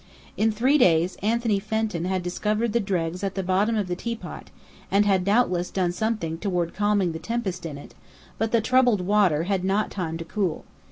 In three days Anthony Fenton had discovered the dregs at the bottom of the teapot and had doubtless done something toward calming the tempest in it, but the troubled water had not time to cool.